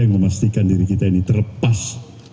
yang memastikan diri kita ini terlepas